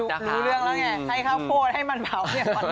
รู้เรื่องแล้วไงให้ข้าวโพดให้มันเผาเนี่ย